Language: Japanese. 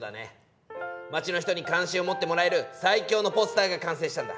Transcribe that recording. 町の人に関心を持ってもらえる最強のポスターが完成したんだ。